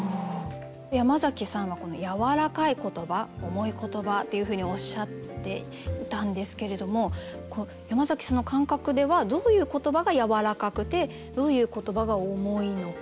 山崎さんは「やわらかい言葉」「重い言葉」っていうふうにおっしゃっていたんですけれども山崎さんの感覚ではどういう言葉がやわらかくてどういう言葉が重いのか。